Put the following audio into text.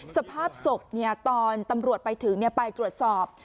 สภาพศพตอนตำรวจไปถึงไปตรวจสอบ